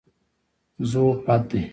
ضعف بد دی.